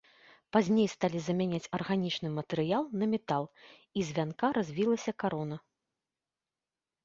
Пазней сталі замяняць арганічны матэрыял на метал, і з вянка развілася карона.